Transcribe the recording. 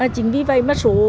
chính vì vậy bất số